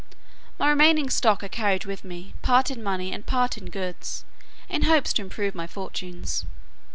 My remaining stock I carried with me, part in money and part in goods, in hopes to improve my fortunes.